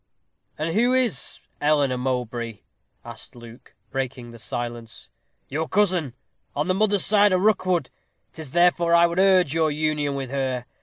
"And who is Eleanor Mowbray?" asked Luke, breaking the silence. "Your cousin. On the mother's side a Rookwood. 'Tis therefore I would urge your union with her.